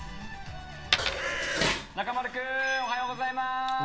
中丸君、おはようございます。